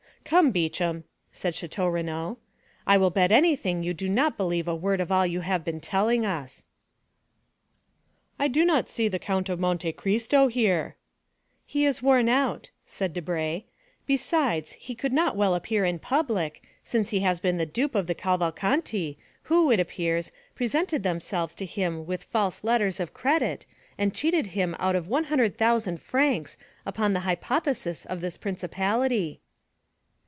"Come, Beauchamp," said Château Renaud, "I will bet anything you do not believe a word of all you have been telling us. But I do not see the Count of Monte Cristo here." "He is worn out," said Debray; "besides, he could not well appear in public, since he has been the dupe of the Cavalcanti, who, it appears, presented themselves to him with false letters of credit, and cheated him out of 100,000 francs upon the hypothesis of this principality."